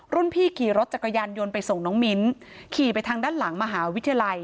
พี่ขี่รถจักรยานยนต์ไปส่งน้องมิ้นขี่ไปทางด้านหลังมหาวิทยาลัย